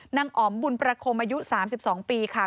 อ๋อมบุญประคมอายุ๓๒ปีค่ะ